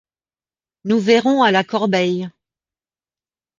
Nous verrons à la corbeille !